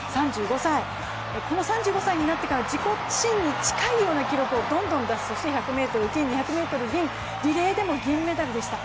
３５歳、この３５歳になってから自己新に近い記録をどんどん出す、そして１００ｍ金、２００ｍ銀、リレーでも銀メダルでした。